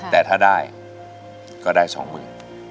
แต่ถ้าได้ก็ได้สองหมื่น